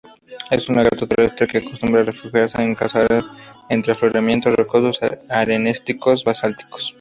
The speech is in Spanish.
Es un lagarto terrestre, que acostumbra a refugiarse y cazar entre afloramientos rocosos arenístico-basálticos.